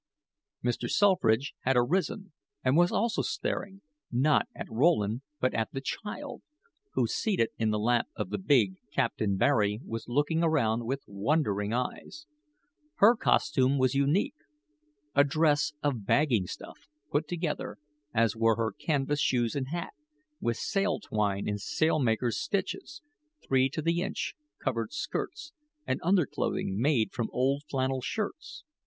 Mr. Selfridge had arisen and was also staring, not at Rowland, but at the child, who, seated in the lap of the big Captain Barry, was looking around with wondering eyes. Her costume was unique. A dress of bagging stuff, put together as were her canvas shoes and hat with sail twine in sail makers' stitches, three to the inch, covered skirts and underclothing made from old flannel shirts.